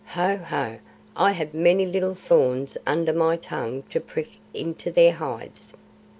Ho! ho! I have many little thorns under my tongue to prick into their hides."